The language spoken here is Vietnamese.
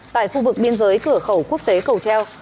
tại khu vực biên giới cửa khẩu quốc tế cầu treo